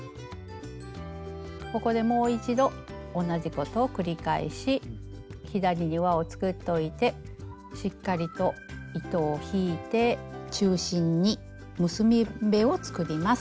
ここでもう一度同じことを繰り返し左に輪を作っといてしっかりと糸を引いて中心に結び目を作ります。